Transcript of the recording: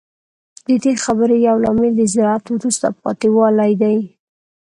د دې خبرې یو لامل د زراعت وروسته پاتې والی دی